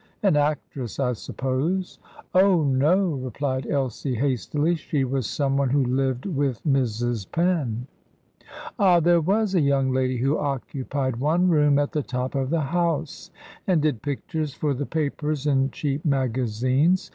An actress, I suppose?" "Oh, no!" replied Elsie hastily. "She was some one who lived with Mrs. Penn." "Ah, there was a young lady who occupied one room at the top of the house, and did pictures for the papers and cheap magazines.